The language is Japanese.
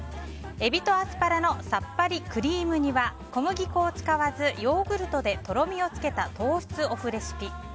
エビとアスパラのさっぱりクリーム煮は小麦粉を使わず、ヨーグルトでとろみをつけた糖質オフレシピ。